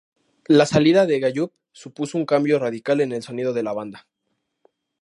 La salida de Gallup supuso un cambio radical en el sonido de la banda.